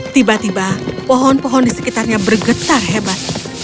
tiba tiba pohon pohon di sekitarnya bergetar hebat